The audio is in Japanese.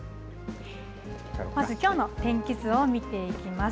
まずきょうの天気図を見ていきます。